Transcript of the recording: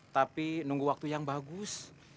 tapi nunggu waktu yang bagus